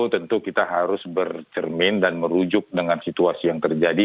tentu kita harus bercermin dan merujuk dengan situasi yang terjadi